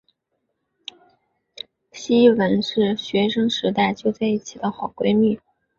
希汶是学生时代就在一起的好闺蜜。